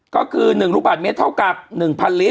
ก็คือ๑ลูกบาทเมตรเท่ากับ๑๐๐ลิตร